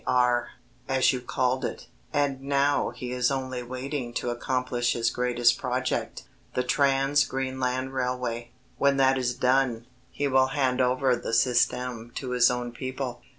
R. as you called it, and now he is only waiting to accomplish his greatest project the Trans Greenland railway. When that is done, he will hand over the Système to his own people.